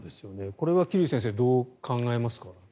これは桐生先生どう考えますか？